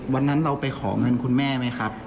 วันนั้นเราไปขอเงินคุณแม่ไหมครับ